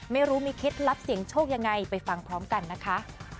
ไม่รู้มีเคล็ดลับเสียงโชคยังไงไปฟังพร้อมกันนะคะ